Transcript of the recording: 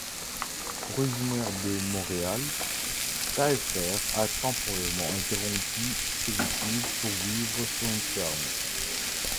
Originaire de Montréal, Taillefer a temporairement interrompu ses études pour vivre sur une ferme.